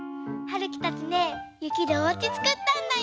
るきたちねゆきでおうちつくったんだよ！